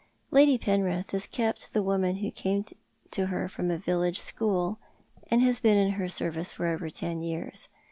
Lady Penrith has kept the woman who came to her from a village school, and who has heen in her service for over ten years.